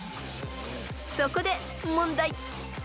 ［そこで問題］